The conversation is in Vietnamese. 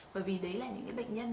bởi vì đấy là những bệnh nhân